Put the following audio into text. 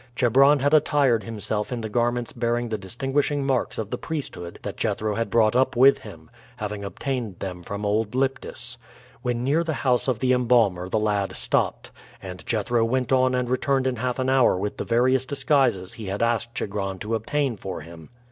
Chebron had attired himself in the garments bearing the distinguishing marks of the priesthood that Jethro had brought up with him, having obtained them from old Lyptis. When near the house of the embalmer the lad stopped, and Jethro went on and returned in half an hour with the various disguises he had asked Chigron to obtain for him.